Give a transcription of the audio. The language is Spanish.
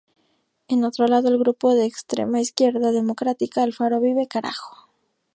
En otro lado el grupo de extrema izquierda democrática Alfaro Vive ¡Carajo!